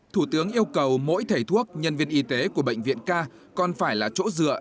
thủ tướng yêu cầu mỗi thầy thuốc nhân viên y tế của bệnh viện ca còn phải là chỗ dựa